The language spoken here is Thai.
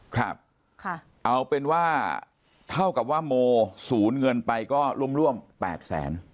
ครับเอาเป็นว่าเท่ากับว่าโมสูญเงินไปก็ร่วมร่วม๘แสน